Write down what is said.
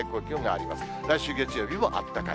来週月曜日もあったかい。